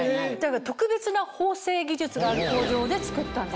特別な縫製技術がある工場で作ったんです。